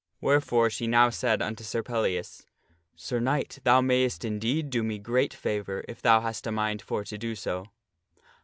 Wherefore, she now said unto Sir Pellias, " Sir Knight, thou mayst indeed do me great favor if thou hast a mind for to do so."